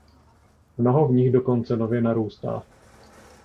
Mnoho v nich dokonce nově narůstá.